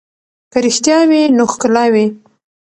که رښتیا وي نو ښکلا وي.